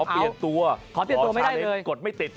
แต่ขอเปลี่ยนตัวขอชาเล็กกดไม่ติดขอเปลี่ยนตัวไม่ได้เลย